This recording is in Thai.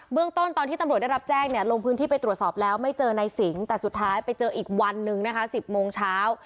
เรื่องต้นตอนที่ตำรวจได้รับแจ้งเนี่ยลงพื้นที่ไปตรวจสอบแล้วไม่เจอนายสิงแต่สุดท้ายไปเจออีกวันนึงนะคะ๑๐โมงเช้า